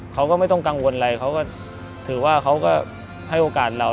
เขาก็ไม่ต้องกังวลอะไรเขาก็ถือว่าเขาก็ให้โอกาสเรา